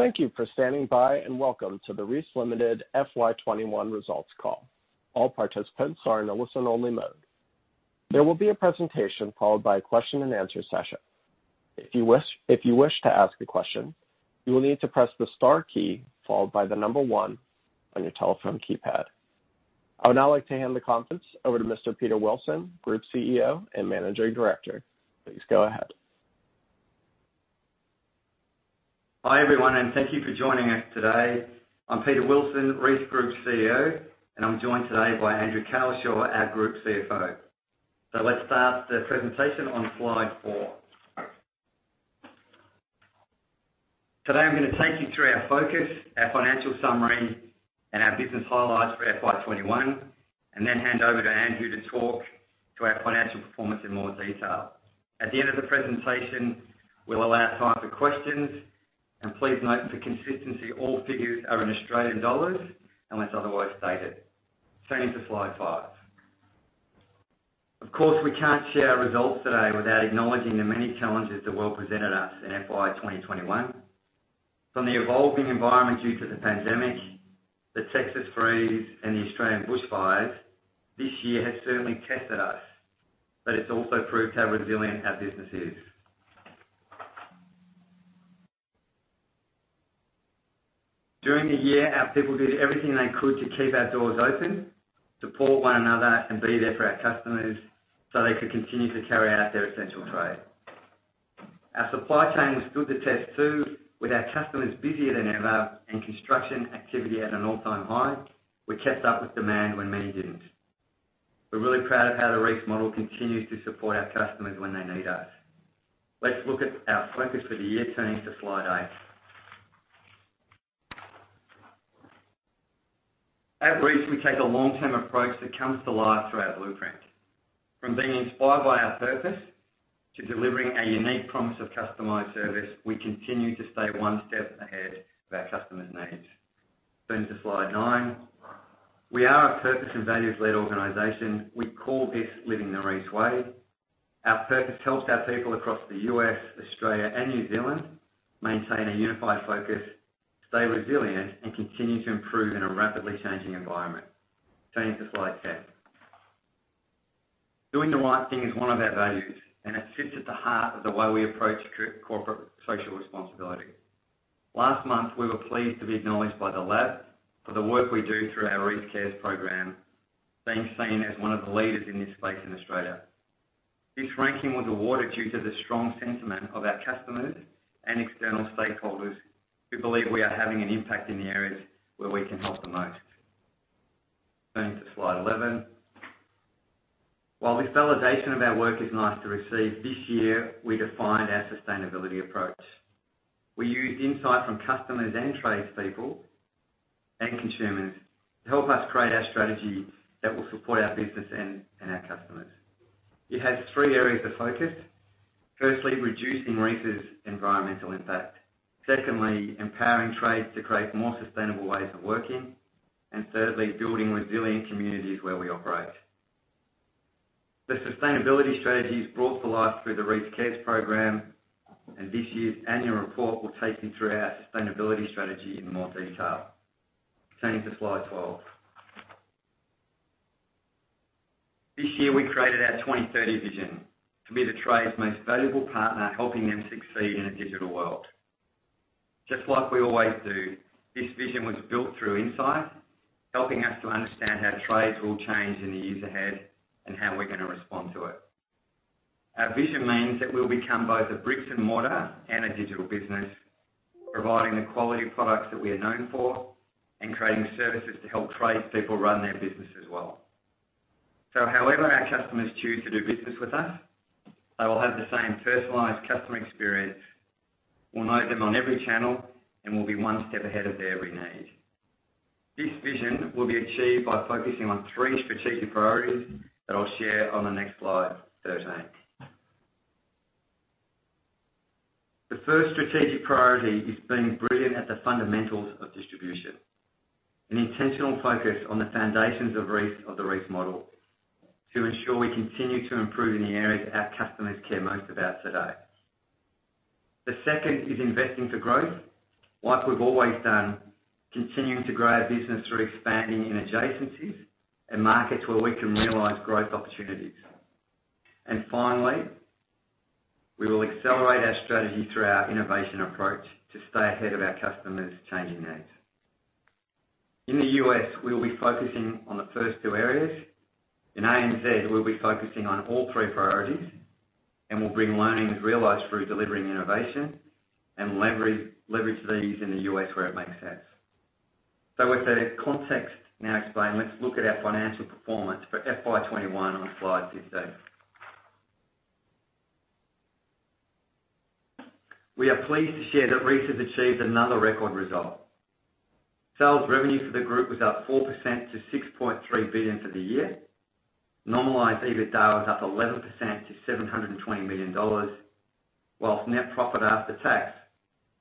Thank you for standing by, and welcome to the Reece Limited FY 2021 Result Call. All participants are in a listen-only mode. There will be a presentation followed by a question and answer session. If you wish to ask a question, you will need to press the star key followed by the one on your telephone keypad. I would now like to hand the conference over to Mr. Peter Wilson, Group CEO and Managing Director. Please go ahead. Hi everyone, and thank you for joining us today. I'm Peter Wilson, Reece Group CEO, and I'm joined today by Andrew Cowlishaw, our Group CFO. Let's start the presentation on slide four. Today I'm going to take you through our focus, our financial summary and our business highlights for FY 2021, and then hand over to Andrew to talk through our financial performance in more detail. At the end of the presentation, we'll allow time for questions, and please note for consistency, all figures are in Australian dollars unless otherwise stated. Turning to slide five. Of course, we can't share our results today without acknowledging the many challenges the world presented us in FY 2021. From the evolving environment due to the pandemic, the Texas freeze and the Australian bushfires, this year has certainly tested us. It's also proved how resilient our business is. During the year, our people did everything they could to keep our doors open, support one another and be there for our customers so they could continue to carry out their essential trade. Our supply chain was put to test too, with our customers busier than ever and construction activity at an all-time high. We kept up with demand when many didn't. We're really proud of how the Reece model continues to support our customers when they need us. Let's look at our focus for the year, turning to slide eight. At Reece, we take a long term approach that comes to life through our blueprint. From being inspired by our purpose to delivering a unique promise of customized service, we continue to stay one step ahead of our customers' needs. Turning to slide nine. We are a purpose and values led organization. We call this living the Reece way. Our purpose helps our people across the U.S., Australia and New Zealand maintain a unified focus, stay resilient, and continue to improve in a rapidly changing environment. Turning to slide 10. Doing the right thing is one of our values, and it sits at the heart of the way we approach corporate social responsibility. Last month, we were pleased to be acknowledged by The Lab for the work we do through our Reece Cares program, being seen as one of the leaders in this space in Australia. This ranking was awarded due to the strong sentiment of our customers and external stakeholders who believe we are having an impact in the areas where we can help the most. Turning to slide 11. While this validation of our work is nice to receive, this year we defined our sustainability approach. We used insight from customers and tradespeople and consumers to help us create our strategy that will support our business and our customers. It has three areas of focus. Firstly, reducing Reece's environmental impact. Secondly, empowering trades to create more sustainable ways of working. Thirdly, building resilient communities where we operate. The sustainability strategy is brought to life through the Reece Cares program, and this year's annual report will take you through our sustainability strategy in more detail. Turning to slide 12. This year we created our 2030 vision to be the trade's most valuable partner helping them succeed in a digital world. Just like we always do, this vision was built through insight, helping us to understand how trades will change in the years ahead and how we're going to respond to it. Our vision means that we will become both a bricks and mortar and a digital business, providing the quality products that we are known for and creating services to help tradespeople run their business as well. However our customers choose to do business with us, they will have the same personalized customer experience. We will know them on every channel and we will be one step ahead of their every need. This vision will be achieved by focusing on three strategic priorities that I will share on the next slide, 13. The first strategic priority is being brilliant at the fundamentals of distribution. An intentional focus on the foundations of the Reece model to ensure we continue to improve in the areas our customers care most about today. The second is investing for growth like we've always done, continuing to grow our business through expanding in adjacencies and markets where we can realize growth opportunities. Finally, we will accelerate our strategy through our innovation approach to stay ahead of our customers' changing needs. In the U.S., we will be focusing on the first two areas. In ANZ, we'll be focusing on all three priorities, and we'll bring learnings realized through delivering innovation and leverage these in the U.S. where it makes sense. With the context now explained, let's look at our financial performance for FY 2021 on slide 15. We are pleased to share that Reece has achieved another record result. Sales revenue for the group was up 4% to 6.3 billion for the year. Normalized EBITDA was up 11% to 720 million dollars, whilst net profit after tax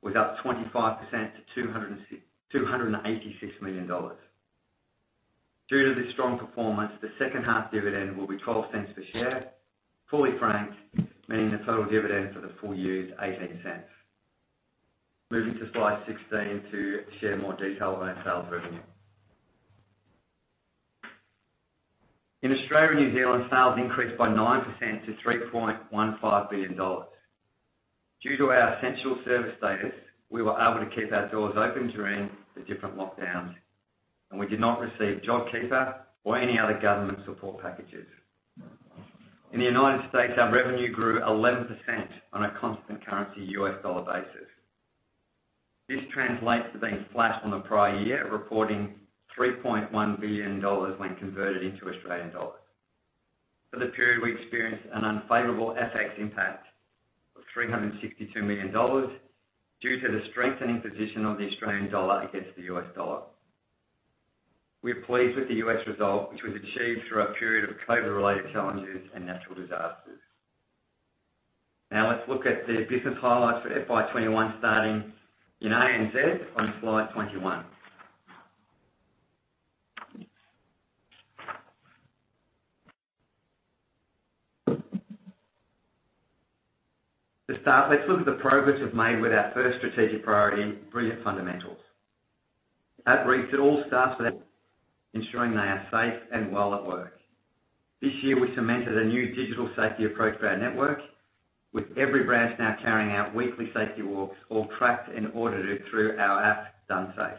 was up 25% to 286 million dollars. Due to the strong performance, the second half dividend will be 0.12 per share, fully franked, meaning the total dividend for the full year is 0.18. Moving to slide 16 to share more detail on our sales revenue. In Australia and New Zealand, sales increased by 9% to 3.15 billion dollars. Due to our essential service status, we were able to keep our doors open during the different lockdowns, and we did not receive JobKeeper or any other government support packages. In the U.S., our revenue grew 11% on a constant currency U.S. dollar basis. This translates to being flat on the prior year, reporting 3.1 billion dollars when converted into Australian dollars. For the period, we experienced an unfavorable FX impact of 362 million dollars due to the strengthening position of the Australian dollar against the U.S. dollar. We are pleased with the U.S. result, which was achieved through a period of COVID-related challenges and natural disasters. Now let's look at the business highlights for FY 2021, starting in ANZ on slide 21. To start, let's look at the progress we've made with our first strategic priority, Brilliant Fundamentals. At Reece, it all starts with ensuring they are safe and well at work. This year we cemented a new digital safety approach to our network, with every branch now carrying out weekly safety walks, all tracked and audited through our app, Donesafe.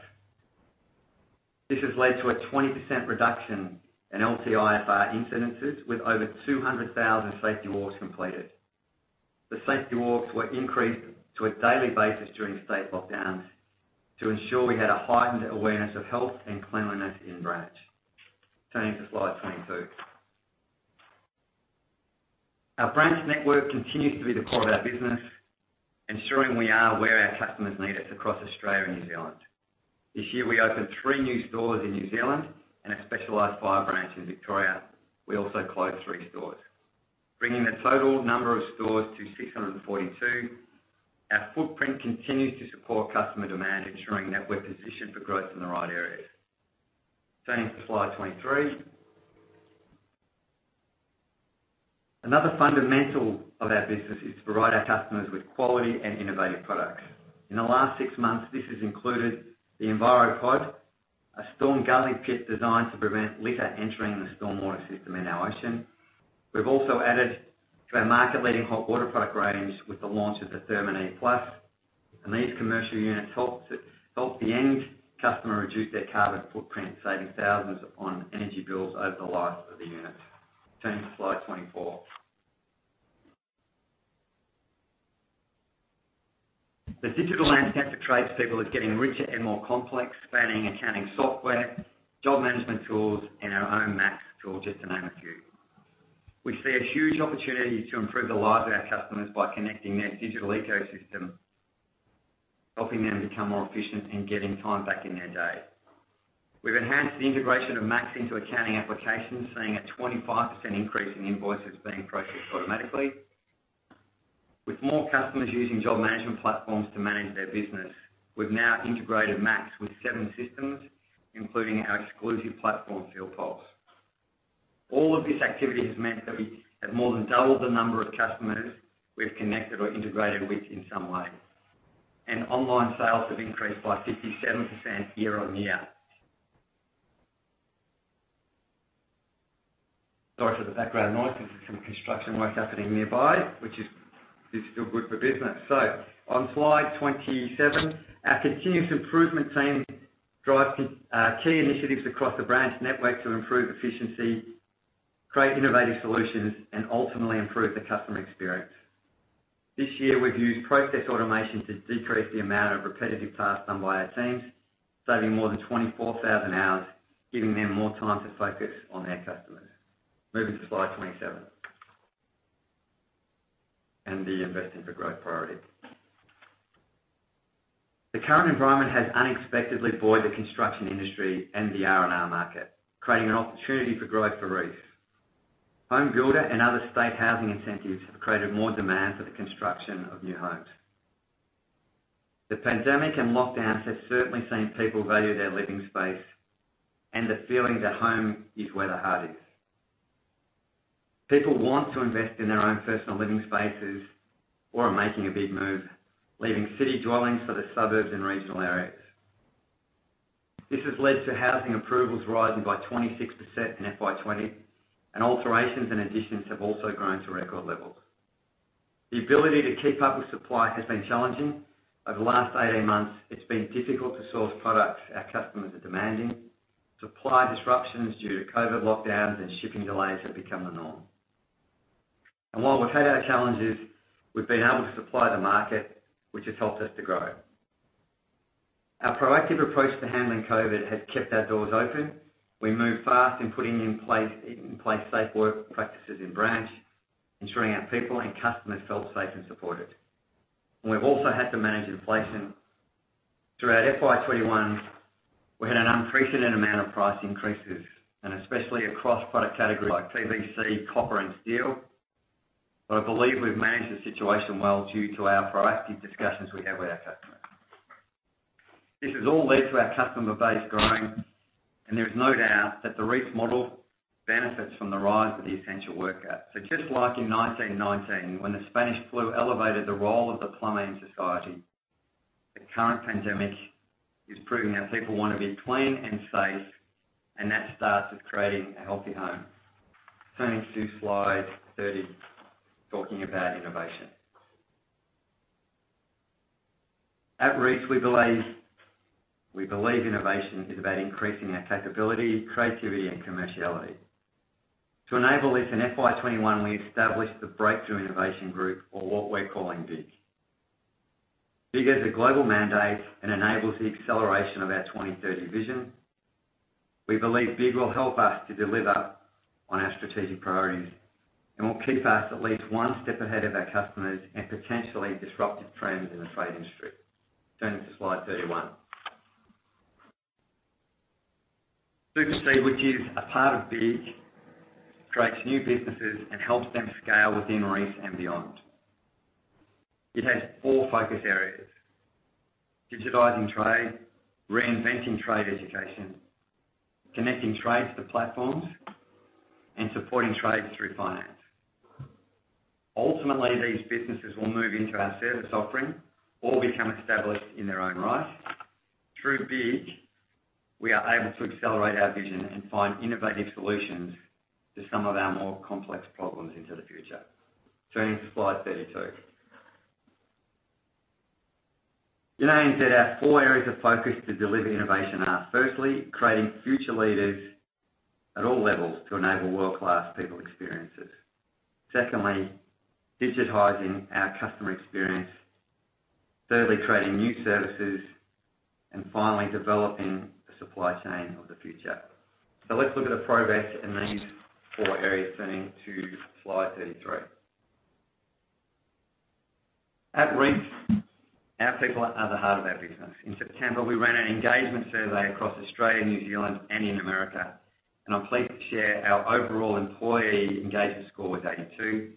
This has led to a 20% reduction in LTIFR incidences, with over 200,000 safety walks completed. The safety walks were increased to a daily basis during state lockdowns to ensure we had a heightened awareness of health and cleanliness in branch. Turning to slide 22. Our branch network continues to be the core of our business, ensuring we are where our customers need us across Australia and New Zealand. This year, we opened three new stores in New Zealand and a specialized fire branch in Victoria. We also closed three stores, bringing the total number of stores to 642. Our footprint continues to support customer demand, ensuring that we're positioned for growth in the right areas. Turning to slide 23. Another fundamental of our business is to provide our customers with quality and innovative products. In the last six months, this has included the EnviroPod, a storm gully pit designed to prevent litter entering the stormwater system in our ocean. We've also added to our market-leading hot water product range with the launch of the ThermOnic Plus, and these commercial units help the end customer reduce their carbon footprint, saving thousands on energy bills over the life of the unit. Turning to slide 24. The digital landscape for tradespeople is getting richer and more complex, spanning accounting software, job management tools, and our own maX tool, just to name a few. We see a huge opportunity to improve the lives of our customers by connecting their digital ecosystem, helping them become more efficient and getting time back in their day. We've enhanced the integration of maX into accounting applications, seeing a 25% increase in invoices being processed automatically. With more customers using job management platforms to manage their business, we've now integrated maX with seven systems, including our exclusive platform, FieldPulse. All of this activity has meant that we have more than doubled the number of customers we've connected or integrated with in some way. Online sales have increased by 57% year-on-year. Sorry for the background noise. There's some construction work happening nearby, which is still good for business. On slide 27, our continuous improvement team drive key initiatives across the branch network to improve efficiency, create innovative solutions, and ultimately improve the customer experience. This year, we've used process automation to decrease the amount of repetitive tasks done by our teams, saving more than 24,000 hours, giving them more time to focus on our customers. Moving to slide 27 and the Investing for Growth priority. The current environment has unexpectedly buoyed the construction industry and the R&R market, creating an opportunity for growth for Reece. HomeBuilder and other state housing incentives have created more demand for the construction of new homes. The pandemic and lockdowns have certainly seen people value their living space and the feeling that home is where the heart is. People want to invest in their own personal living spaces or are making a big move, leaving city dwellings for the suburbs and regional areas. This has led to housing approvals rising by 26% in FY 2020, and alterations and additions have also grown to record levels. The ability to keep up with supply has been challenging. Over the last 18 months, it's been difficult to source products our customers are demanding. Supply disruptions due to COVID lockdowns and shipping delays have become the norm. While we've had our challenges, we've been able to supply the market, which has helped us to grow. Our proactive approach to handling COVID has kept our doors open. We moved fast in putting in place safe work practices in branch, ensuring our people and customers felt safe and supported. We've also had to manage inflation. Throughout FY 2021, we had an unprecedented amount of price increases, especially across product categories like PVC, copper, and steel. I believe we've managed the situation well due to our proactive discussions we have with our customers. This has all led to our customer base growing, and there's no doubt that the Reece model benefits from the rise of the essential worker. Just like in 1919, when the Spanish flu elevated the role of the plumber in society, the current pandemic is proving that people want to be clean and safe, and that starts with creating a healthy home. Turning to slide 30, talking about innovation. At Reece, we believe innovation is about increasing our capability, creativity, and commerciality. To enable this in FY 2021, we established the Breakthrough Innovation Group or what we're calling BIG. BIG has a global mandate and enables the acceleration of our 2030 vision. We believe BIG will help us to deliver on our strategic priorities and will keep us at least one step ahead of our customers and potentially disruptive trends in the trade industry. Turning to slide 31. Superseed, which is a part of BIG, creates new businesses and helps them scale within Reece and beyond. It has four focus areas: digitizing trade, reinventing trade education, connecting trade to the platforms, and supporting trade through finance. Ultimately, these businesses will move into our service offering or become established in their own right. Through BIG, we are able to accelerate our vision and find innovative solutions to some of our more complex problems into the future. Turning to Slide 32. In ANZ, our four areas of focus to deliver innovation are firstly, creating future leaders at all levels to enable world-class people experiences. Secondly, digitizing our customer experience. Thirdly, creating new services, and finally, developing the supply chain of the future. Let's look at the progress in these four areas. Turning to Slide 33. At Reece, our people are the heart of our business. In September, we ran an engagement survey across Australia, New Zealand, and in America, and I'm pleased to share our overall employee engagement score was 82,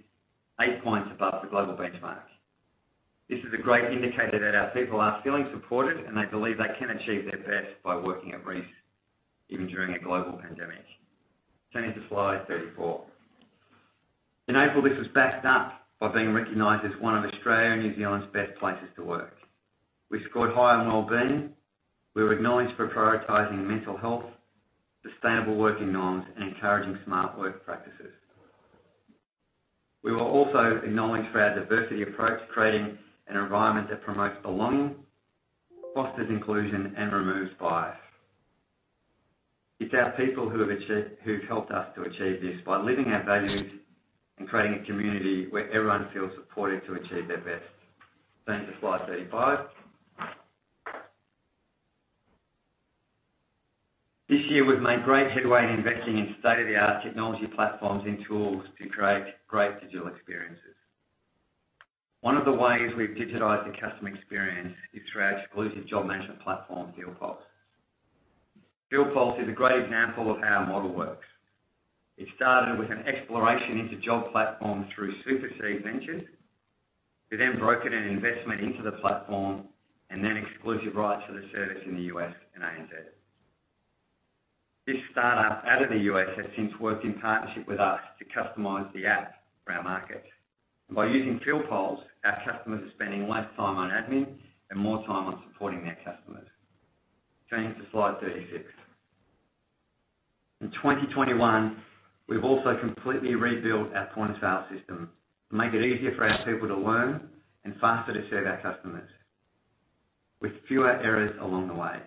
eight points above the global benchmark. This is a great indicator that our people are feeling supported, and they believe they can achieve their best by working at Reece even during a global pandemic. Turning to slide 34. In April, this was backed up by being recognized as one of Australia and New Zealand's best places to work. We scored high on wellbeing. We were acknowledged for prioritizing mental health, sustainable working norms, and encouraging smart work practices. We were also acknowledged for our diversity approach, creating an environment that promotes belonging, fosters inclusion, and removes bias. It's our people who've helped us to achieve this by living our values and creating a community where everyone feels supported to achieve their best. Turning to slide 35. This year, we've made great headway in investing in state-of-the-art technology platforms and tools to create great digital experiences. One of the ways we've digitized the customer experience is through our exclusive job management platform, FieldPulse. FieldPulse is a great example of how our model works. It started with an exploration into job platforms through Superseed Ventures, we then brokered an investment into the platform and then exclusive rights to the service in the U.S. and ANZ. This startup out of the U.S. has since worked in partnership with us to customize the app for our market. By using FieldPulse, our customers are spending less time on admin and more time on supporting their customers. Turning to slide 36. In 2021, we've also completely rebuilt our point-of-sale system to make it easier for our people to learn and faster to serve our customers with fewer errors along the way.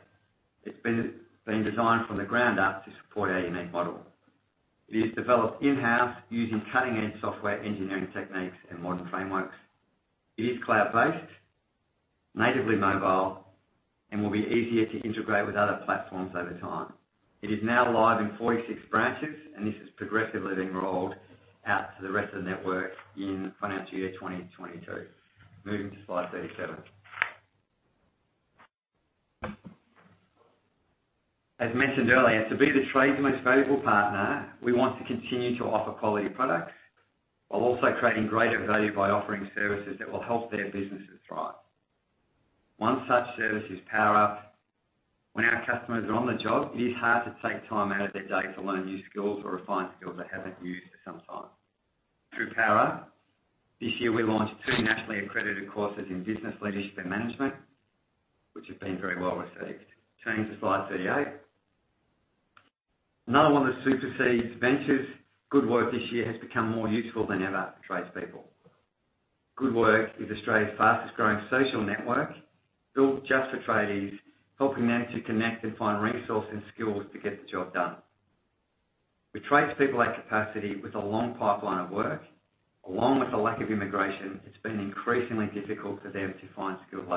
It's been designed from the ground up to support our unique model. It is developed in-house using cutting-edge software engineering techniques and modern frameworks. It is cloud-based, natively mobile, and will be easier to integrate with other platforms over time. It is now live in 46 branches, and this is progressively being rolled out to the rest of the network in FY 2022. Moving to slide 37. As mentioned earlier, to be the trade's most valuable partner, we want to continue to offer quality products while also creating greater value by offering services that will help their businesses thrive. One such service is Power Up. When our customers are on the job, it is hard to take time out of their day to learn new skills or refine skills they haven't used for some time. Through Power Up, this year, we launched two nationally accredited courses in business leadership and management, which have been very well received. Turning to slide 38. Another one of Superseed's ventures, Goodwork, this year, has become more useful than ever for tradespeople. Goodwork is Australia's fastest-growing social network built just for tradies, helping them to connect and find resources and skills to get the job done. With tradespeople at capacity with a long pipeline of work, along with the lack of immigration, it's been increasingly difficult for them to find skilled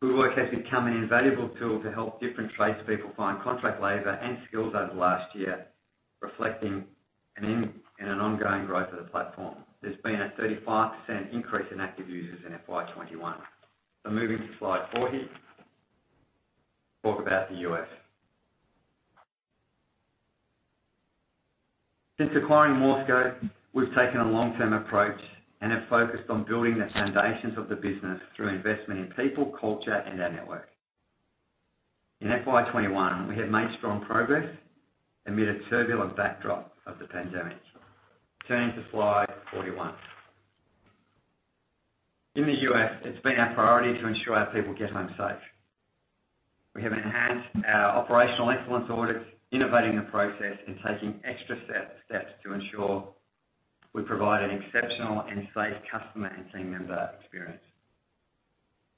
labor. Goodwork has become an invaluable tool to help different tradespeople find contract labor and skills over the last year, reflecting an ongoing growth of the platform. There's been a 35% increase in active users in FY 2021. Moving to slide 40, talk about the U.S. Since acquiring MORSCO, we've taken a long-term approach and have focused on building the foundations of the business through investment in people, culture, and our network. In FY 2021, we have made strong progress amid a turbulent backdrop of the pandemic. Turning to Slide 41. In the U.S., it's been our priority to ensure our people get home safe. We have enhanced our operational excellence audits, innovating the process and taking extra steps to ensure we provide an exceptional and safe customer and team member experience.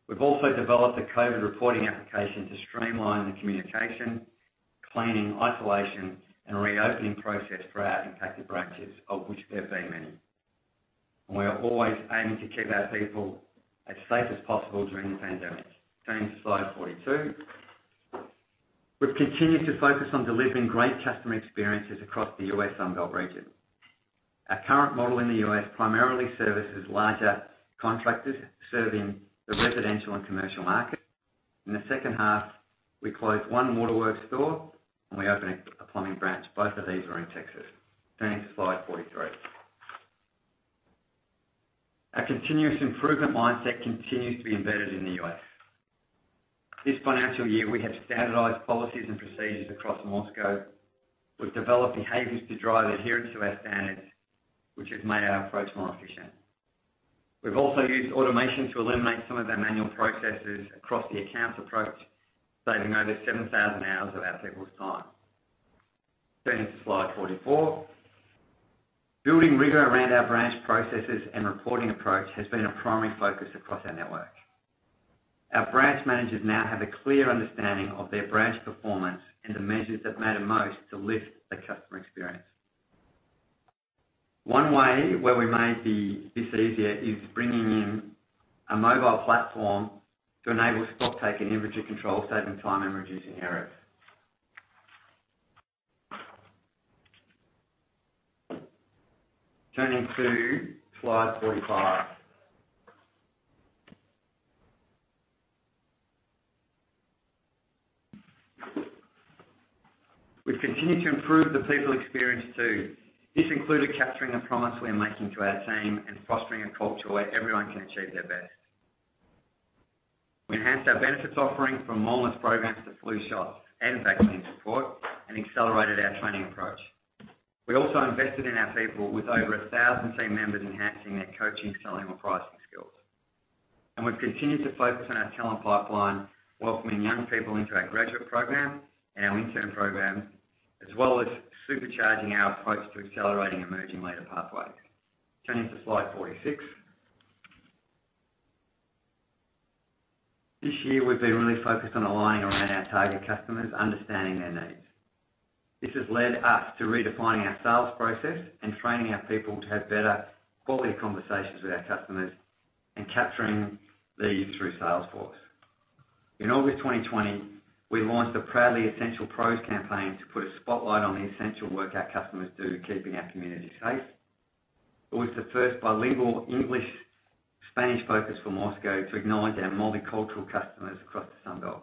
We've also developed a COVID reporting application to streamline the communication, cleaning, isolation, and reopening process for our impacted branches, of which there have been many. We are always aiming to keep our people as safe as possible during the pandemic. Turning to Slide 42. We've continued to focus on delivering great customer experiences across the U.S. Sunbelt region. Our current model in the U.S. primarily services larger contractors serving the residential and commercial market. In the second half, we closed one Waterworks store and we opened a plumbing branch. Both of these are in Texas. Turning to Slide 43. Our continuous improvement mindset continues to be embedded in the U.S. This financial year, we have standardized policies and procedures across MORSCO. We've developed behaviors to drive adherence to our standards, which has made our approach more efficient. We've also used automation to eliminate some of our manual processes across the accounts approach, saving over 7,000 hours of our people's time. Turning to Slide 44. Building rigor around our branch processes and reporting approach has been a primary focus across our network. Our branch managers now have a clear understanding of their branch performance and the measures that matter most to lift the customer experience. One way where we made this easier is bringing in a mobile platform to enable stocktake and inventory control, saving time and reducing errors. Turning to Slide 45. We've continued to improve the people experience, too. This included capturing the promise we are making to our team and fostering a culture where everyone can achieve their best. We enhanced our benefits offering from wellness programs to flu shots and vaccine support and accelerated our training approach. We also invested in our people with over 1,000 team members enhancing their coaching, selling, or pricing skills. We've continued to focus on our talent pipeline, welcoming young people into our graduate program and our intern program, as well as supercharging our approach to accelerating emerging leader pathways. Turning to Slide 46. This year we've been really focused on aligning around our target customers, understanding their needs. This has led us to redefining our sales process and training our people to have better quality conversations with our customers and capturing these through Salesforce. In August 2020, we launched the Proudly Essential Pros campaign to put a spotlight on the essential work our customers do keeping our community safe. It was the first bilingual English/Spanish focus for MORSCO to acknowledge our multicultural customers across the Sunbelt.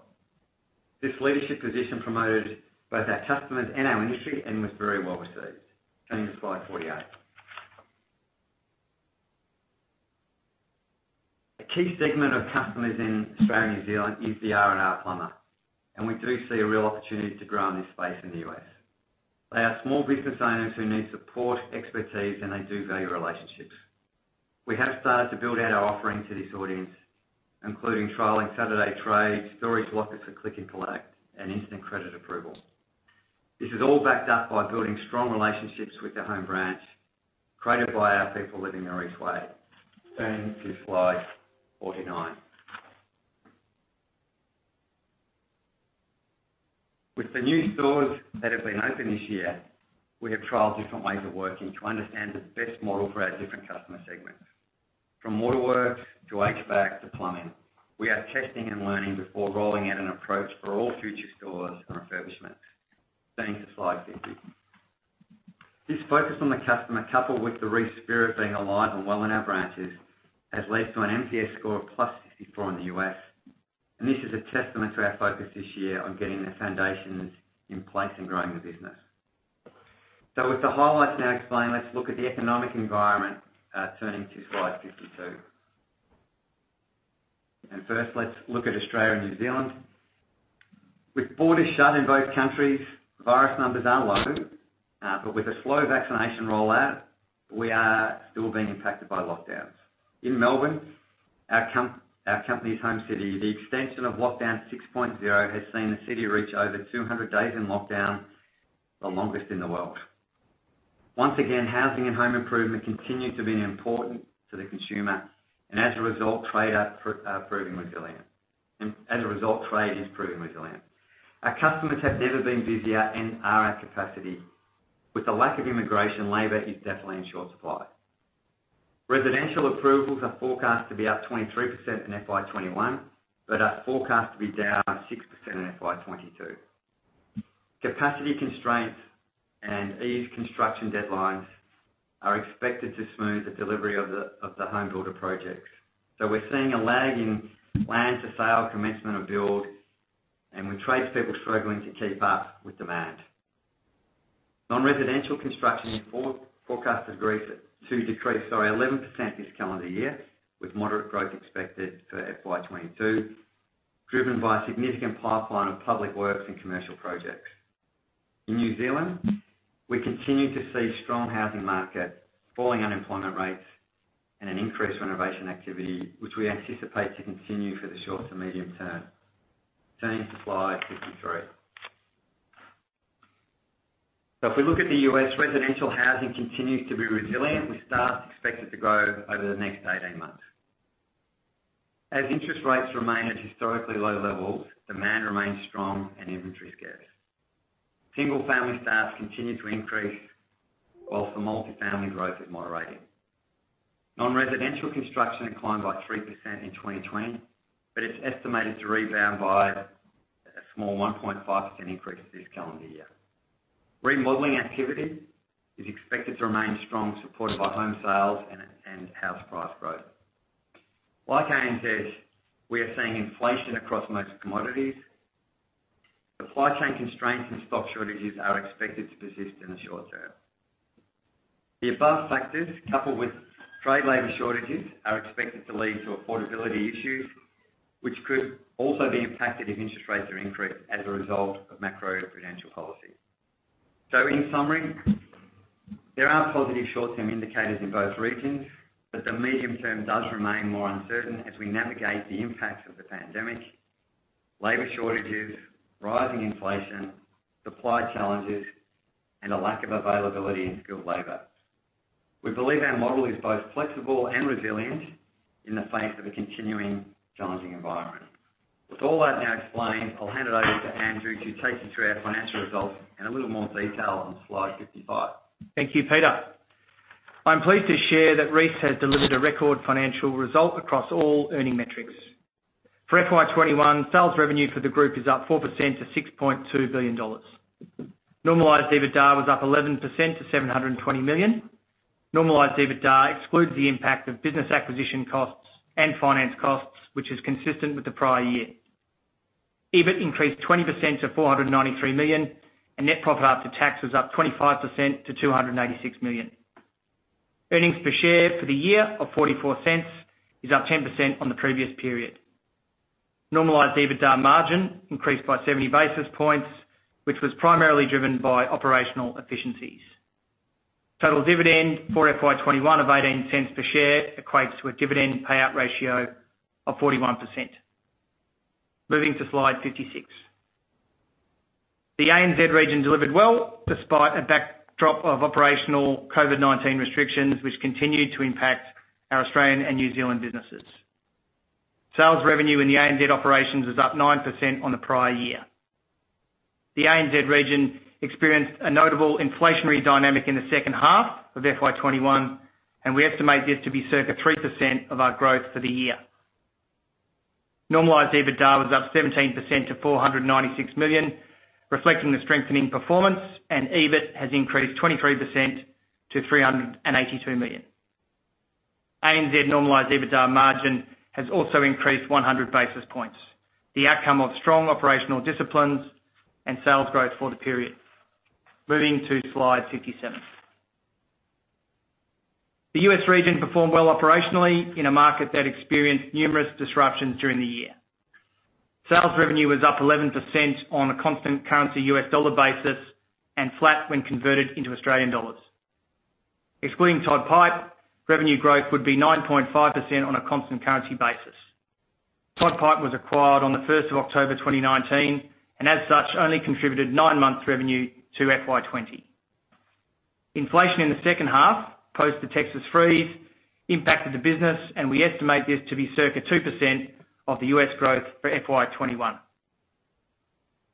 This leadership position promoted both our customers and our industry and was very well received. Turning to Slide 48. A key segment of customers in Australia and New Zealand is the R&R plumber, and we do see a real opportunity to grow in this space in the U.S. They are small business owners who need support, expertise, and they do value relationships. We have started to build out our offering to this audience, including trialing Saturday trades, storage lockers for click and collect, and instant credit approval. This is all backed up by building strong relationships with the home branch created by our people living the Reece Way. Turning to Slide 49. With the new stores that have been open this year, we have trialed different ways of working to understand the best model for our different customer segments. From Waterworks to HVAC to plumbing, we are testing and learning before rolling out an approach for all future stores and refurbishments. Turning to Slide 50. This focus on the customer, coupled with the Reece spirit being alive and well in our branches, has led to an NPS score of +64 in the U.S. This is a testament to our focus this year on getting the foundations in place and growing the business. With the highlights now explained, let's look at the economic environment. Turning to Slide 52. First let's look at Australia and New Zealand. With borders shut in both countries, virus numbers are low. With a slow vaccination rollout, we are still being impacted by lockdowns. In Melbourne, our company's home city, the extension of Lockdown 6.0 has seen the city reach over 200 days in lockdown, the longest in the world. Once again, housing and home improvement continue to be important to the consumer, and as a result, trade is proving resilient. Our customers have never been busier and are at capacity. With the lack of immigration, labor is definitely in short supply. Residential approvals are forecast to be up 23% in FY 2021, but are forecast to be down 6% in FY 2022. Capacity constraints and eased construction deadlines are expected to smooth the delivery of the HomeBuilder projects. We're seeing a lag in plans for sale, commencement of build, and with tradespeople struggling to keep up with demand. Non-residential construction is forecasted to decrease by 11% this calendar year, with moderate growth expected for FY 2022, driven by a significant pipeline of public works and commercial projects. In New Zealand, we continue to see strong housing market, falling unemployment rates, and an increased renovation activity, which we anticipate to continue for the short to medium term. Turning to slide 53. If we look at the U.S., residential housing continues to be resilient, with starts expected to grow over the next 18 months. As interest rates remain at historically low levels, demand remains strong and inventory scarce. Single family starts continue to increase, while the multifamily growth is moderating. Non-residential construction declined by 3% in 2020, but it is estimated to rebound by a small 1.5% increase this calendar year. Remodeling activity is expected to remain strong, supported by home sales and house price growth. Like ANZ, we are seeing inflation across most commodities. Supply chain constraints and stock shortages are expected to persist in the short term. The above factors, coupled with trade labor shortages, are expected to lead to affordability issues, which could also be impacted if interest rates are increased as a result of macro-prudential policy. In summary, there are positive short-term indicators in both regions, but the medium term does remain more uncertain as we navigate the impacts of the pandemic, labor shortages, rising inflation, supply challenges, and a lack of availability in skilled labor. We believe our model is both flexible and resilient in the face of a continuing challenging environment. With all that now explained, I'll hand it over to Andrew to take you through our financial results in a little more detail on slide 55. Thank you, Peter. I'm pleased to share that Reece has delivered a record financial result across all earning metrics. For FY 2021, sales revenue for the group is up 4% to 6.2 billion dollars. Normalized EBITDA was up 11% to 720 million. Normalized EBITDA excludes the impact of business acquisition costs and finance costs, which is consistent with the prior year. EBIT increased 20% to 493 million, and net profit after tax was up 25% to 286 million. Earnings per share for the year of 0.44 is up 10% on the previous period. Normalized EBITDA margin increased by 70 basis points, which was primarily driven by operational efficiencies. Total dividend for FY 2021 of 0.18 per share equates to a dividend payout ratio of 41%. Moving to slide 56. The ANZ region delivered well despite a backdrop of operational COVID-19 restrictions, which continued to impact our Australian and New Zealand businesses. Sales revenue in the ANZ operations was up 9% on the prior year. The ANZ region experienced a notable inflationary dynamic in the second half of FY 2021. We estimate this to be circa 3% of our growth for the year. Normalized EBITDA was up 17% to 496 million, reflecting the strengthening performance. EBIT has increased 23% to 382 million. ANZ normalized EBITDA margin has also increased 100 basis points, the outcome of strong operational disciplines and sales growth for the period. Moving to slide 57. The U.S. region performed well operationally in a market that experienced numerous disruptions during the year. Sales revenue was up 11% on a constant currency U.S. dollar basis, and flat when converted into Australian dollars. Excluding Todd Pipe, revenue growth would be 9.5% on a constant currency basis. Todd Pipe was acquired on the 1st of October 2019, and as such, only contributed nine months revenue to FY 2020. Inflation in the second half, post the Texas freeze, impacted the business, and we estimate this to be circa 2% of the U.S. growth for FY 2021.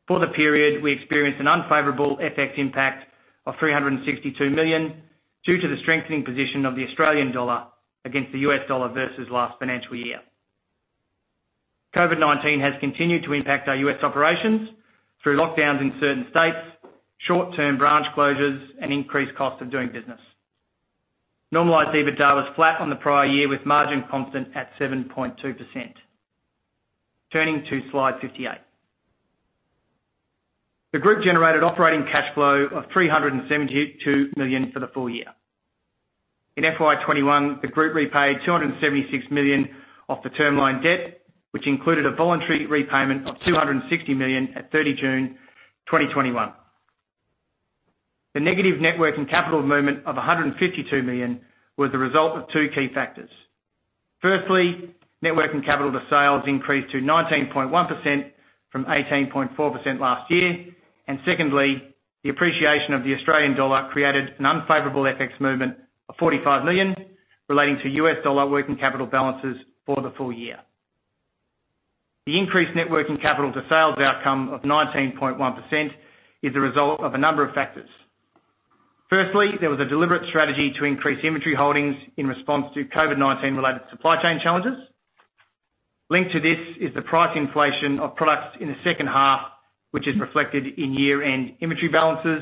For the period, we experienced an unfavorable FX impact of 362 million due to the strengthening position of the Australian dollar against the U.S. dollar versus last financial year. COVID-19 has continued to impact our U.S. operations through lockdowns in certain states, short-term branch closures, and increased cost of doing business. Normalized EBITDA was flat on the prior year, with margin constant at 7.2%. Turning to slide 58. The group generated operating cash flow of AUD 372 million for the full year. In FY 2021, the group repaid AUD 276 million off the TLB, which included a voluntary repayment of AUD 260 million at 30 June 2021. The negative net working capital movement of 152 million was the result of two key factors. Firstly, net working capital to sales increased to 19.1% from 18.4% last year. Secondly, the appreciation of the Australian dollar created an unfavorable FX movement of 45 million relating to U.S. dollar working capital balances for the full year. The increased net working capital to sales outcome of 19.1% is a result of a number of factors. Firstly, there was a deliberate strategy to increase inventory holdings in response to COVID-19 related supply chain challenges. Linked to this is the price inflation of products in the second half, which is reflected in year-end inventory balances.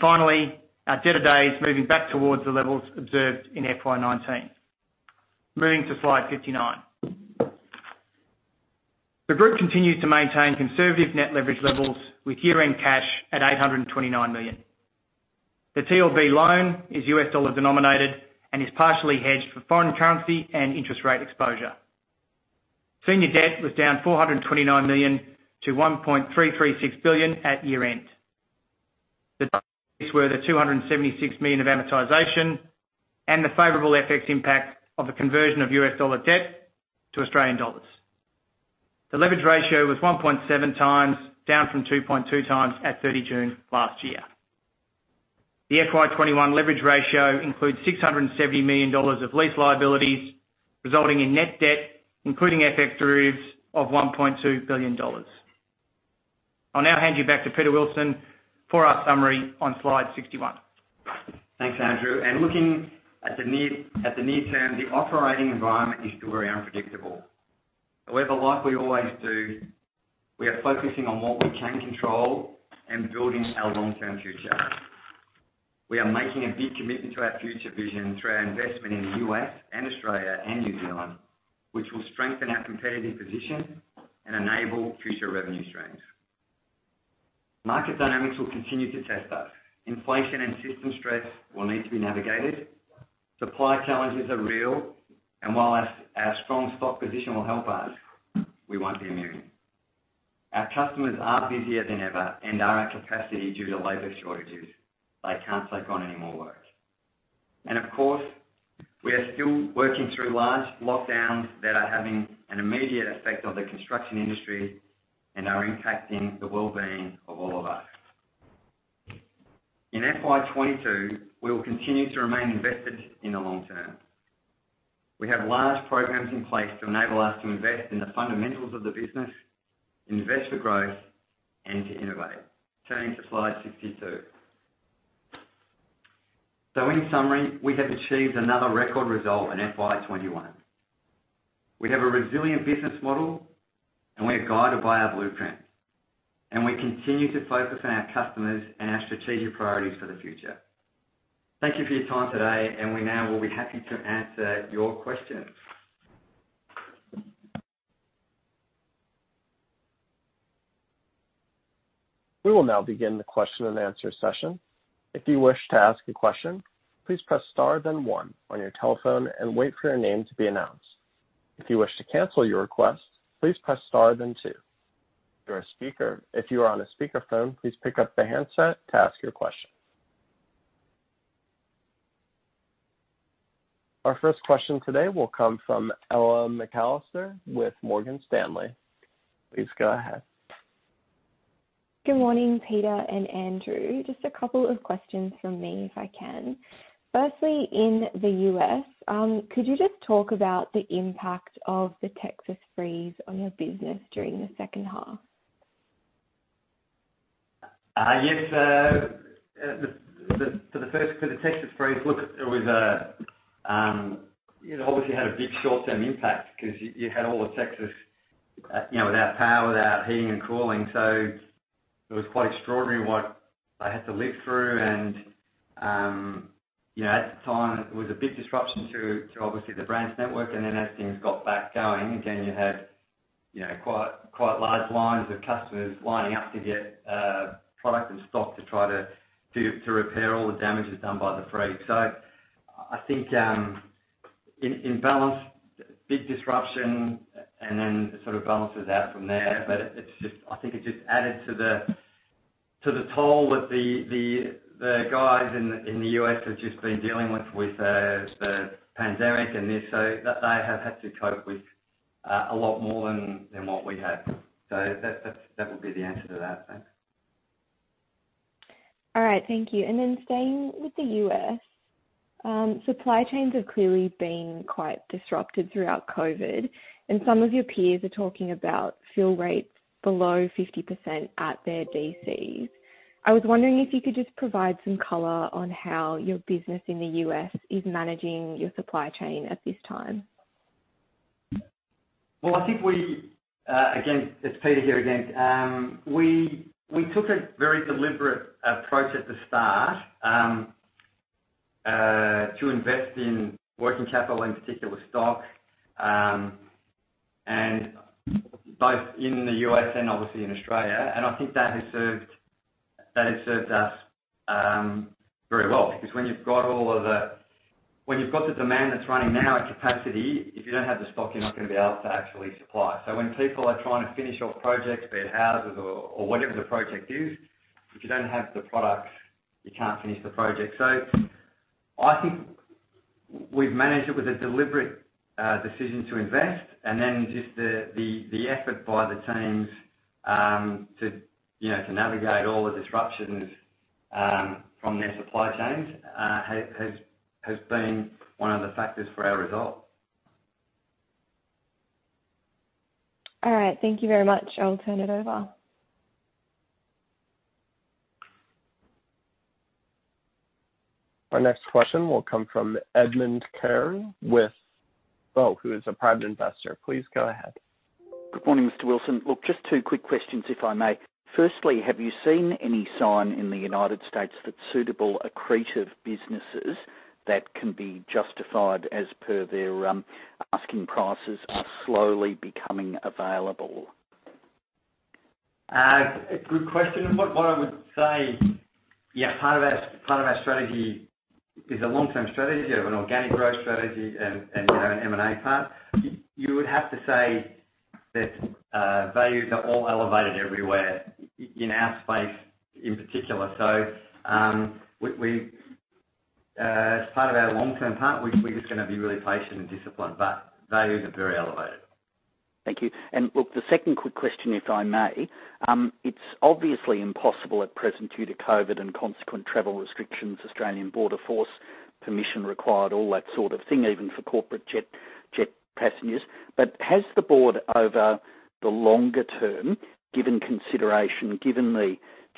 Finally, our debtor days moving back towards the levels observed in FY 2019. Moving to slide 59. The group continues to maintain conservative net leverage levels, with year-end cash at 829 million. The TLB loan is U.S. dollar denominated and is partially hedged for foreign currency and interest rate exposure. Senior debt was down 429 million to 1.336 billion at year-end. The were the 276 million of amortization and the favorable FX impact of the conversion of U.S. dollar debt to Australian dollars. The leverage ratio was 1.7x, down from 2.2x at 30 June last year. The FY 2021 leverage ratio includes 670 million dollars of lease liabilities, resulting in net debt, including FX derivatives, of 1.2 billion dollars. I'll now hand you back to Peter Wilson for our summary on slide 61. Thanks, Andrew. Looking at the near term, the operating environment is still very unpredictable. However, like we always do, we are focusing on what we can control and building our long-term future. We are making a big commitment to our future vision through our investment in the U.S. and Australia and New Zealand, which will strengthen our competitive position and enable future revenue streams. Market dynamics will continue to test us. Inflation and system stress will need to be navigated. Supply challenges are real, and while our strong stock position will help us, we won't be immune. Our customers are busier than ever and are at capacity due to labor shortages. They can't take on any more work. Of course, we are still working through large lockdowns that are having an immediate effect on the construction industry and are impacting the well-being of all of us. In FY 2022, we will continue to remain invested in the long term. We have large programs in place to enable us to invest in the fundamentals of the business, invest for growth, and to innovate. Turning to slide 62. In summary, we have achieved another record result in FY 2021. We have a resilient business model, and we are guided by our blueprint, and we continue to focus on our customers and our strategic priorities for the future. Thank you for your time today, and we now will be happy to answer your questions. Our first question today will come from Ella McAlister with Morgan Stanley. Please go ahead. Good morning, Peter and Andrew. Just a couple of questions from me, if I can. Firstly, in the U.S., could you just talk about the impact of the Texas freeze on your business during the second half? Yes. For the Texas freeze, obviously had a big short-term impact because you had all of Texas without power, without heating and cooling. At the time, it was a big disruption to obviously the branch network. As things got back going again, you had quite large lines of customers lining up to get product and stock to try to repair all the damages done by the freeze. I think in balance, big disruption and then it sort of balances out from there. I think it just added to the toll that the guys in the U.S. have just been dealing with the pandemic and this. They have had to cope with a lot more than what we have. That would be the answer to that. Thanks. All right. Thank you. Then staying with the U.S., supply chains have clearly been quite disrupted throughout COVID, and some of your peers are talking about fill rates below 50% at their DCs. I was wondering if you could just provide some color on how your business in the U.S. is managing your supply chain at this time. Well, I think Again, it's Peter here again. We took a very deliberate approach at the start to invest in working capital, in particular stock, and both in the U.S. and obviously in Australia. I think that has served us very well because when you've got the demand that's running now at capacity, if you don't have the stock, you're not going to be able to actually supply. When people are trying to finish off projects, be it houses or whatever the project is, if you don't have the product, you can't finish the project. I think we've managed it with a deliberate decision to invest and then just the effort by the teams to navigate all the disruptions from their supply chains has been one of the factors for our result. All right. Thank you very much. I'll turn it over. Our next question will come from [Edmund Kerr], well, who is a private investor. Please go ahead. Good morning, Mr. Wilson. Look, just two quick questions, if I may. Firstly, have you seen any sign in the United States that suitable accretive businesses that can be justified as per their asking prices are slowly becoming available? A good question. What I would say, yeah, part of our strategy is a long-term strategy of an organic growth strategy and an M&A part. You would have to say that values are all elevated everywhere, in our space in particular. As part of our long-term part, we're just going to be really patient and disciplined, but values are very elevated. Thank you. Look, the second quick question, if I may. It's obviously impossible at present due to COVID and consequent travel restrictions, Australian Border Force permission required, all that sort of thing, even for corporate jet passengers. Has the board, over the longer term, given consideration, given the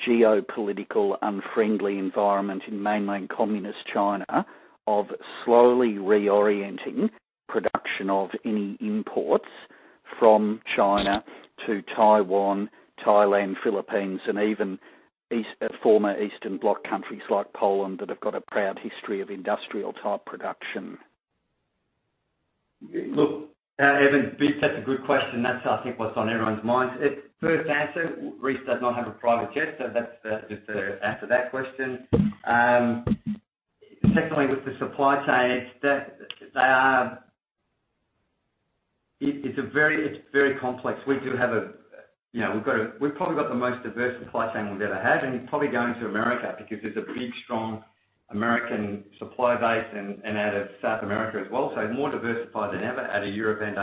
geopolitical unfriendly environment in mainland Communist China, of slowly reorienting production of any imports from China to Taiwan, Thailand, Philippines, and even former Eastern Bloc countries like Poland that have got a proud history of industrial-type production? [Edmund], that's a good question. That's I think what's on everyone's minds. First answer, Reece does not have a private jet, that's just to answer that question. Secondly, with the supply chains, it's very complex. We've probably got the most diverse supply chain we've ever had, it's probably going to America because there's a big, strong American supply base and out of South America as well, more diversified than ever out of Europe and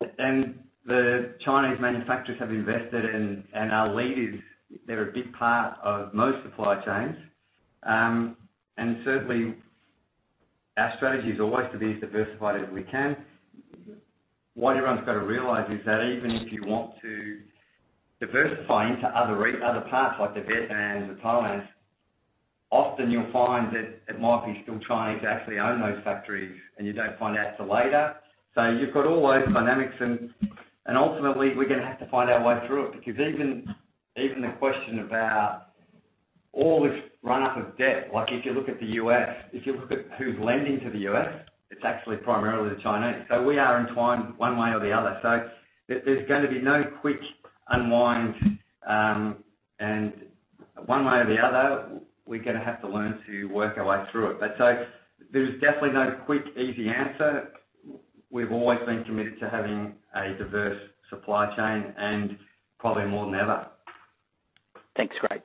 Asia. The Chinese manufacturers have invested and are leaders. They're a big part of most supply chains. Certainly our strategy is always to be as diversified as we can. What everyone's got to realize is that even if you want to diversify into other parts like Vietnam and Thailand, often you'll find that it might be still Chinese actually own those factories and you don't find out till later. You've got all those dynamics, and ultimately we're going to have to find our way through it because even the question about all this run-up of debt, like if you look at the U.S., if you look at who's lending to the U.S., it's actually primarily the Chinese. We are entwined one way or the other. There's going to be no quick unwind, and one way or the other, we're going to have to learn to work our way through it. There is definitely no quick, easy answer. We've always been committed to having a diverse supply chain and probably more than ever. Thanks. Great.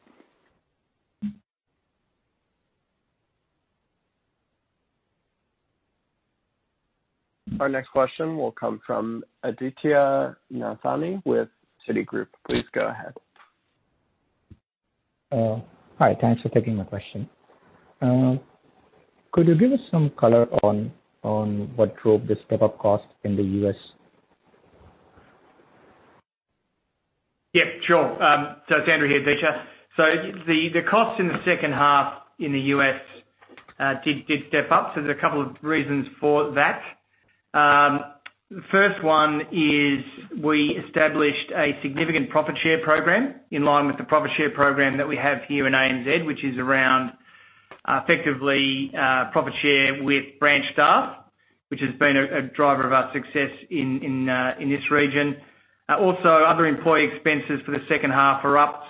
Our next question will come from Aditya Nathany with Citigroup. Please go ahead. Hi. Thanks for taking my question. Could you give us some color on what drove the step-up cost in the U.S.? It's Andrew here, Aditya. The cost in the second half in the U.S. did step up. There's a couple of reasons for that. The first one is we established a significant profit share program in line with the profit share program that we have here in ANZ, which is around effectively profit share with branch staff, which has been a driver of our success in this region. Also, other employee expenses for the second half are up.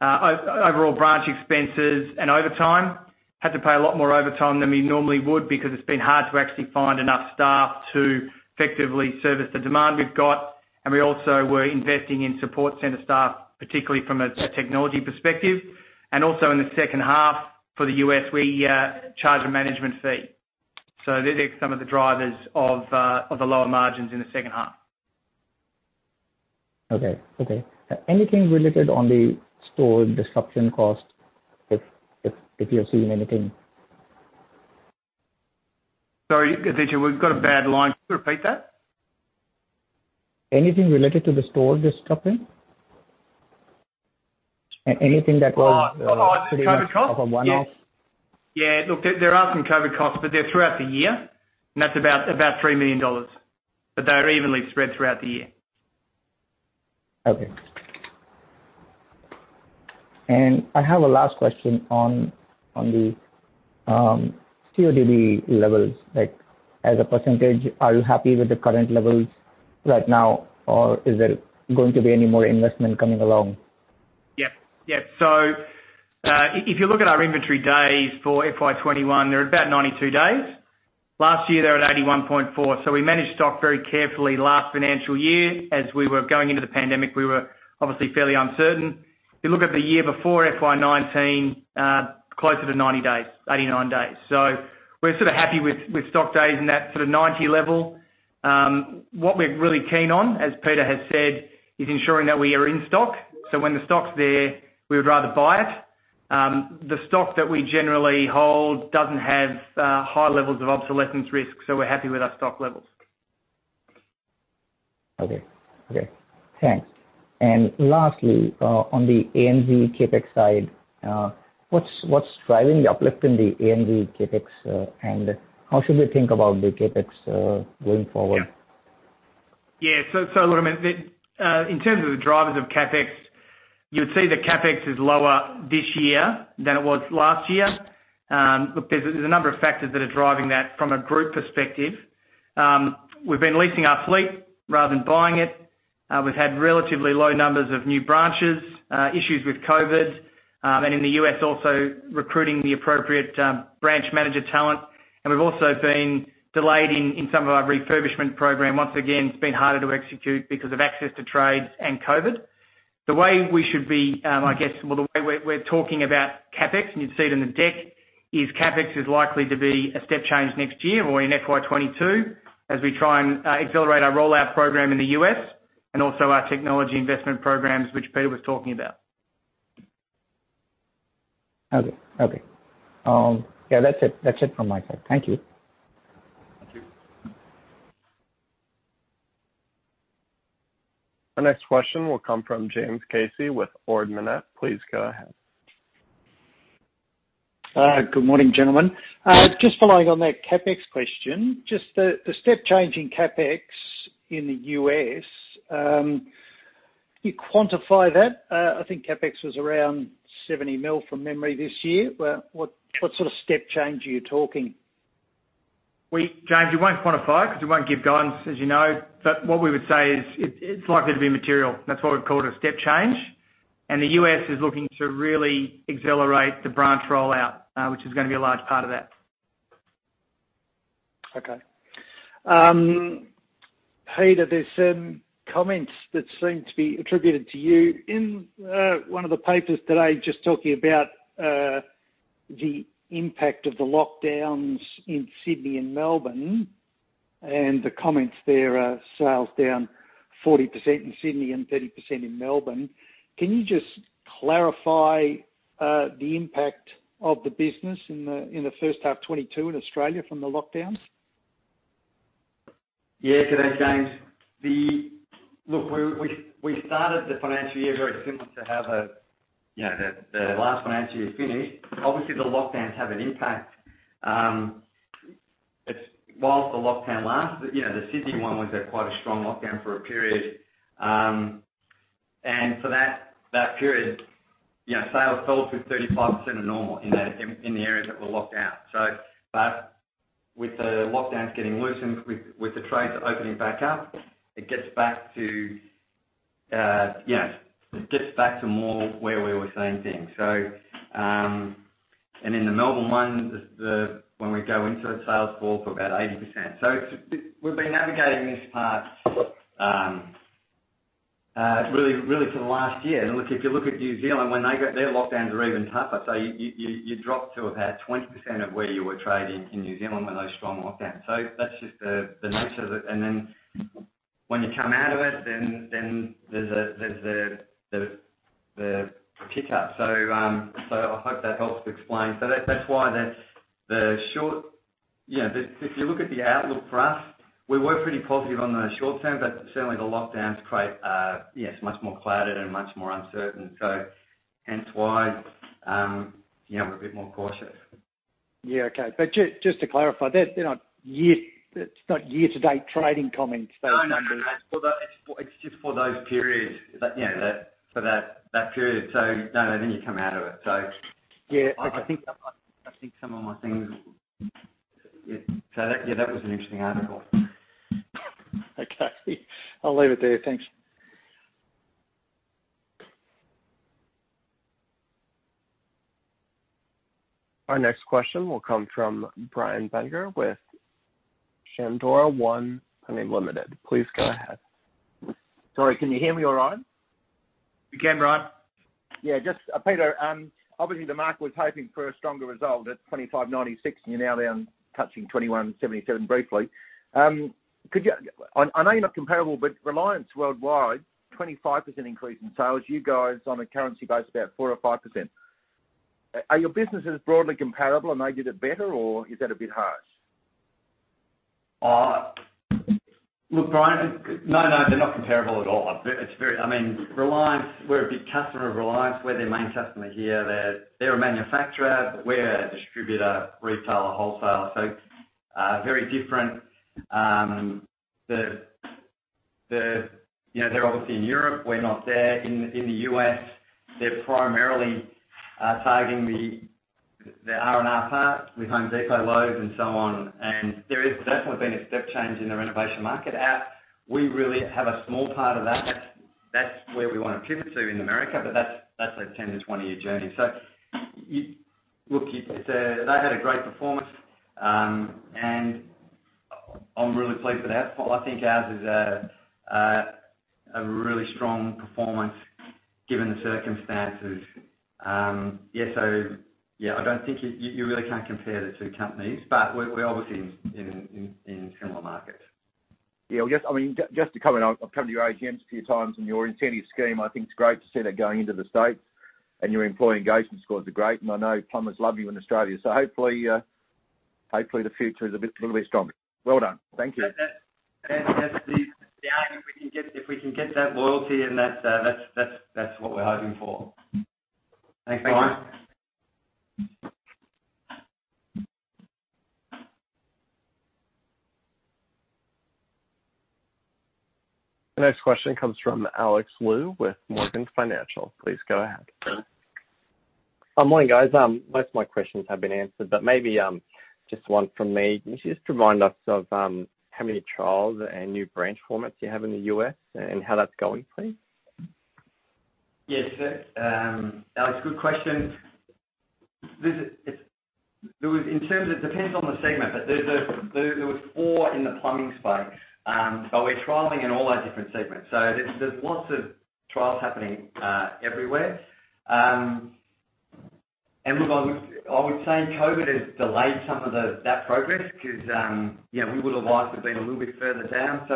Overall branch expenses and overtime. We had to pay a lot more overtime than we normally would because it's been hard to actually find enough staff to effectively service the demand we've got. We also were investing in support center staff, particularly from a technology perspective. Also in the second half for the U.S., we charge a management fee. These are some of the drivers of the lower margins in the second half. Okay. Anything related on the store disruption cost, if you're seeing anything? Sorry, Aditya, we've got a bad line. Could you repeat that? Anything related to the store disruption? Oh, COVID cost? of a one-off. Yeah. Look, there are some COVID costs, they're throughout the year, and that's about 3 million dollars. They're evenly spread throughout the year. Okay. I have a last question on the CODB levels. Like, as a percentage, are you happy with the current levels right now, or is there going to be any more investment coming along? Yep. If you look at our inventory days for FY 2021, they're about 92 days. Last year, they were at 81.4. We managed stock very carefully last financial year. As we were going into the pandemic, we were obviously fairly uncertain. If you look at the year before, FY 2019, closer to 90 days, 89 days. We're sort of happy with stock days in that sort of 90 level. What we're really keen on, as Peter has said, is ensuring that we are in stock. When the stock's there, we would rather buy it. The stock that we generally hold doesn't have high levels of obsolescence risk, so we're happy with our stock levels. Okay. Thanks. Lastly, on the ANZ CapEx side, what's driving the uplift in the ANZ CapEx? How should we think about the CapEx going forward? Look, in terms of the drivers of CapEx, you would see that CapEx is lower this year than it was last year. There's a number of factors that are driving that from a group perspective. We've been leasing our fleet rather than buying it. We've had relatively low numbers of new branches, issues with COVID, and in the U.S. also recruiting the appropriate branch manager talent. We've also been delayed in some of our refurbishment program. Once again, it's been harder to execute because of access to trades and COVID. The way we're talking about CapEx, you'd see it in the deck, is CapEx is likely to be a step change next year or in FY 2022 as we try and accelerate our rollout program in the U.S. and also our technology investment programs, which Peter was talking about. Okay. Yeah, that's it from my side. Thank you. Thank you. Our next question will come from James Casey with Ord Minnett. Please go ahead. Good morning, gentlemen. Just following on that CapEx question. Just the step change in CapEx in the U.S., you quantify that? I think CapEx was around 70 million from memory this year. What sort of step change are you talking? James, we won't quantify because we won't give guidance, as you know. What we would say is it's likely to be material. That's why we've called it a step change, and the U.S. is looking to really accelerate the branch rollout, which is going to be a large part of that. Okay. Peter, there's some comments that seem to be attributed to you in one of the papers today, just talking about the impact of the lockdowns in Sydney and Melbourne. The comments there are sales down 40% in Sydney and 30% in Melbourne. Can you just clarify the impact of the business in the first half 2022 in Australia from the lockdowns? Good day, James. We started the financial year very similar to how the last financial year finished. Obviously, the lockdowns have an impact. Whilst the lockdown lasts, the Sydney one was at quite a strong lockdown for a period. For that period, sales fell to 35% of normal in the areas that were locked down. With the lockdowns getting loosened, with the trades opening back up, it gets back to more where we were seeing things. In the Melbourne one, when we go into it, sales fall for about 80%. We've been navigating this part really for the last year. If you look at New Zealand, their lockdowns are even tougher. You drop to about 20% of where you were trading in New Zealand with those strong lockdowns. That's just the nature of it. When you come out of it, then there's the pick-up. I hope that helps to explain. That's why if you look at the outlook for us, we were pretty positive on the short term, but certainly the lockdowns create a much more clouded and much more uncertain. Hence why we're a bit more cautious. Yeah. Okay. Just to clarify, it's not year-to-date trading comments those numbers. No, it's just for that period. No, then you come out of it. Yeah. Okay. I think some of my things. Yeah, that was an interesting article. Okay. I'll leave it there. Thanks. Our next question will come from [Brian Binger] with Shandora One Limited. Please go ahead. Sorry, can you hear me all right? We can, [Brian]. Peter, obviously the market was hoping for a stronger result at 25.96 and you're now down touching 21.77 briefly. I know you're not comparable, but Reliance Worldwide, 25% increase in sales. You guys, on a currency base, about 4% or 5%. Are your businesses broadly comparable and they did it better, or is that a bit harsh? Brian, no, they're not comparable at all. We're a big customer of Reliance. We're their main customer here. They're a manufacturer. We're a distributor, retailer, wholesaler. Very different. They're obviously in Europe. We're not there. In the U.S., they're primarily targeting the R&R part with Home Depot, Lowe's and so on. There has definitely been a step change in the renovation market. We really have a small part of that. That's where we want to pivot to in America, that's a 10 to 20-year journey. They've had a great performance, I'm really pleased with ours. I think ours is a really strong performance given the circumstances. I think you really can't compare the two companies, we're obviously in similar markets. Yeah. Just to comment. I've come to your AGMs a few times. Your incentive scheme, I think it's great to see that going into the States and your employee engagement scores are great. I know plumbers love you in Australia. Hopefully the future is a little bit stronger. Well done. Thank you. That's the aim. If we can get that loyalty and that's what we're hoping for. Thanks, [Brian]. Thanks. The next question comes from Alex Lu with Morgans Financial. Please go ahead. Good morning, guys. Most of my questions have been answered, but maybe just one from me. Can you just remind us of how many trials and new branch formats you have in the U.S. and how that's going, please? Alex, good question. It depends on the segment, there was four in the plumbing space. We're trialing in all our different segments, so there's lots of trials happening everywhere. Look, I would say COVID has delayed some of that progress because we would have liked to have been a little bit further down.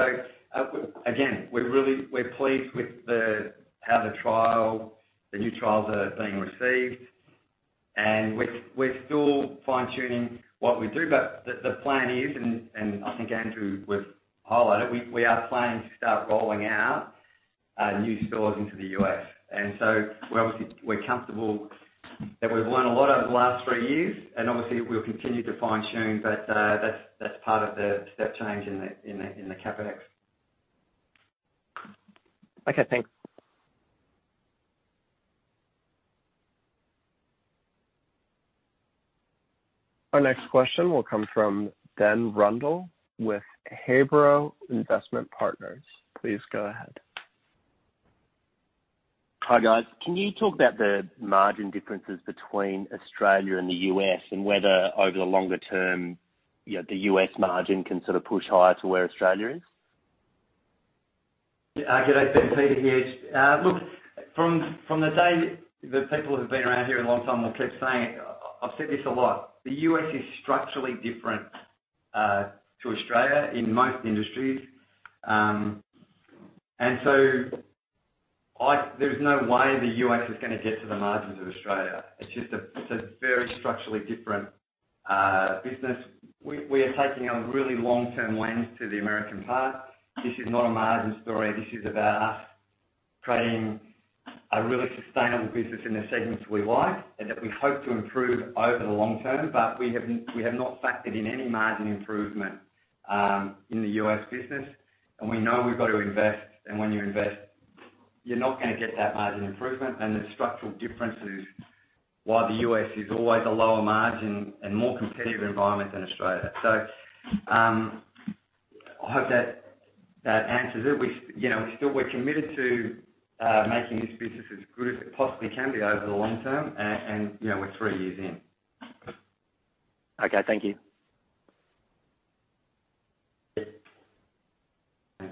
Again, we're pleased with how the new trials are being received and we're still fine-tuning what we do. The plan is, and I think Andrew would highlight it, we are planning to start rolling out new stores into the U.S. and so obviously we're comfortable that we've learned a lot over the last three years and obviously we'll continue to fine-tune, but that's part of the step change in the CapEx. Okay, thanks. Our next question will come from Ben Rundle with Hayborough Investment Partners. Please go ahead. Hi guys. Can you talk about the margin differences between Australia and the U.S. and whether over the longer term, the U.S. margin can sort of push higher to where Australia is? The people who've been around here a long time will keep saying it. I've said this a lot. The U.S. is structurally different to Australia in most industries. There's no way the U.S. is going to get to the margins of Australia. It's a very structurally different business. We are taking a really long-term lens to the American part. This is not a margin story. This is about us creating a really sustainable business in the segments we like and that we hope to improve over the long term. We have not factored in any margin improvement in the U.S. business and we know we've got to invest. When you invest, you're not going to get that margin improvement and the structural difference is why the U.S. is always a lower margin and more competitive environment than Australia. I hope that answers it. We're committed to making this business as good as it possibly can be over the long term and we're three years in. Okay. Thank you.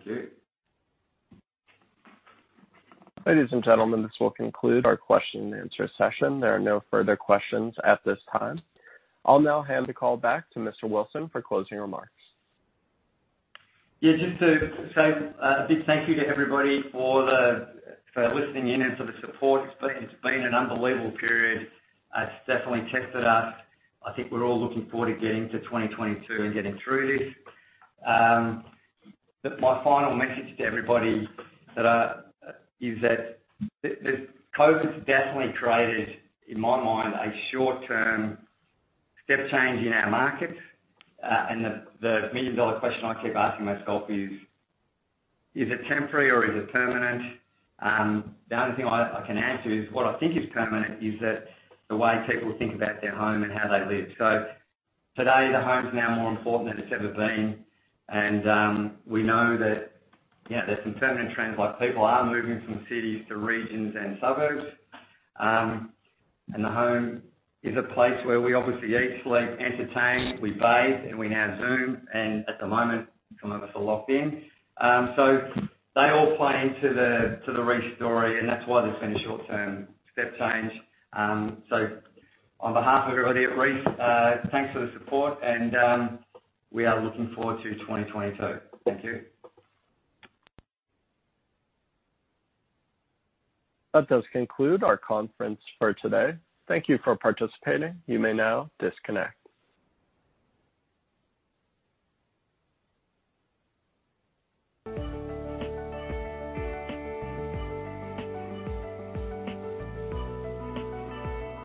Thank you. Ladies and gentlemen, this will conclude our question and answer session. There are no further questions at this time. I'll now hand the call back to Mr. Wilson for closing remarks. Yeah, just to say a big thank you to everybody for listening in and for the support. It's been an unbelievable period. It's definitely tested us. I think we're all looking forward to getting to 2022 and getting through this. My final message to everybody is that COVID's definitely created, in my mind, a short-term step change in our markets. The million-dollar question I keep asking myself is: is it temporary or is it permanent? The only thing I can answer is what I think is permanent is that the way people think about their home and how they live. Today, the home's now more important than it's ever been and we know that there's some permanent trends, like people are moving from cities to regions and suburbs. The home is a place where we obviously eat, sleep, entertain, we bathe, and we now Zoom and at the moment, some of us are locked in. They all play into the Reece story and that's why there's been a short-term step change. On behalf of everybody at Reece, thanks for the support and we are looking forward to 2022. Thank you. That does conclude our conference for today. Thank you for participating. You may now disconnect.